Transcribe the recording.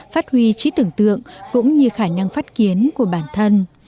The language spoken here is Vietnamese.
phát huy trí tưởng tượng cũng như khả năng phát kiến của bản thân